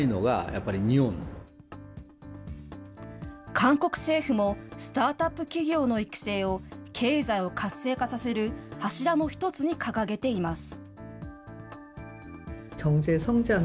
韓国政府もスタートアップ企業の育成を経済を活性化させる柱の１つに掲げています。